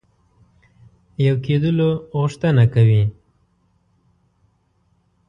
یو کېدلو غوښتنه کوي.